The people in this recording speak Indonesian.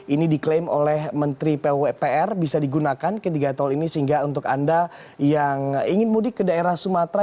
ini diklaim oleh menteri pwpr bisa digunakan ketiga tol ini sehingga untuk anda yang ingin mudik ke daerah sumatera